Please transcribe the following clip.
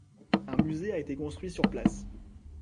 Un musée a été construit sur place.